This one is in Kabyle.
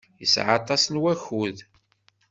Yesɛa aṭas n wakud.